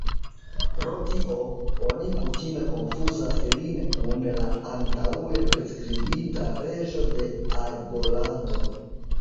Pro tio, oni kutime konfuzas lin kun la antaŭe priskribita reĝo de Argolando.